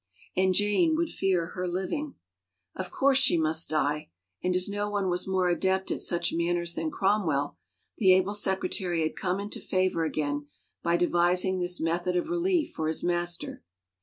And Jane would fear her living. Of course she must diel And as no one was more adept at such matters than Cromwell, the able secretary had come into favor again by devising this method of relief for his master.